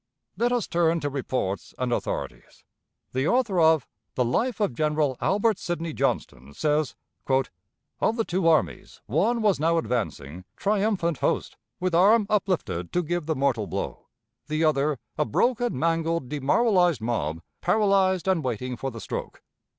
Let us turn to reports and authorities. The author of "The Life of Gen. Albert Sidney Johnston" says: "Of the two armies, one was now an advancing, triumphant host, with arm uplifted to give the mortal blow; the other, a broken, mangled, demoralized mob, paralyzed and waiting for the stroke.